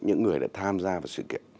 những người đã tham gia vào sự kiện